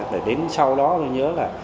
để đến sau đó tôi nhớ là